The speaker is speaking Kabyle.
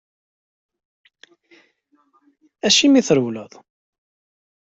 Acimi i trewleḍ?